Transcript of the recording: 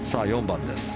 ４番です。